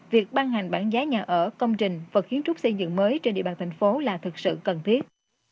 việc ban hành bảng giá nhà ở công trình vật kiến trúc xây dựng mới trên địa bàn thành phố là thực sự cần thiết